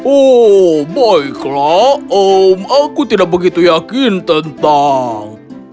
oh baiklah om aku tidak begitu yakin tentang